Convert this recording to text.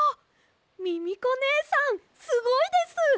ミミコねえさんすごいです！